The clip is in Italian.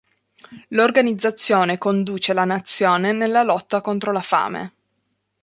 L'organizzazione conduce la nazione nella lotta contro la fame.